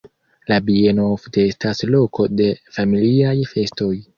La bieno ofte estas loko de familiaj festoj.